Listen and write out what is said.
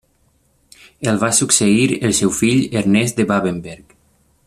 El va succeir el seu fill Ernest de Babenberg.